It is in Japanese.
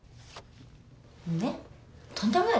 ねっとんでもないでしょ？